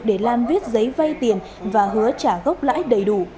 để lan viết giấy vay tiền và hứa trả gốc lãi đầy đủ